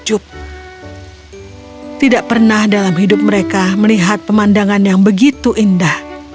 ibu dan kedua putrinya berkata